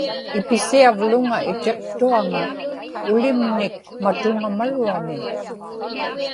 ipisiavluŋa itiqtuaŋa, ulimnik matuŋamaruami